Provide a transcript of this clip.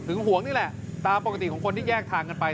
หวงนี่แหละตามปกติของคนที่แยกทางกันไป